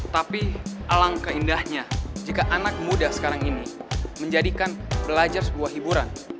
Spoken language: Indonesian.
tapi alangkah indahnya jika anak muda sekarang ini menjadikan belajar sebuah hiburan